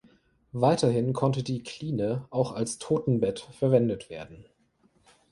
Weiterhin konnte die Kline auch als Totenbett verwendet werden.